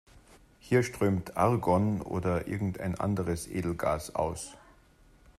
Hier strömt Argon oder irgendein anderes Edelgas aus.